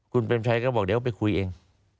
คุณเปรมชัยก็บอกเดี๋ยวไปคุยเอง